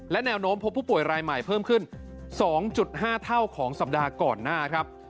และแนวโน้มพบผู้ป่วยรายใหม่เพิ่มขึ้น๒๕เท่าของสัปดาห์ก่อนหน้าครับ